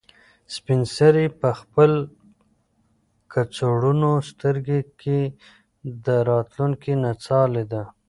سپین سرې په خپل کڅوړنو سترګو کې د راتلونکي نڅا لیده.